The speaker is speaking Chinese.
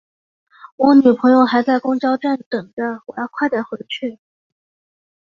我女朋友还在公交站等着，我要快点回去。